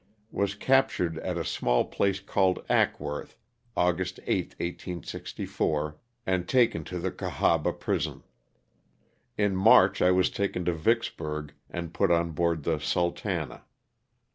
Was captured at a small place called Ackworth, August 8, 1864, and taken to the Cahaba prison. In March I was taken to Vicksburg and put on board the ''Sultana."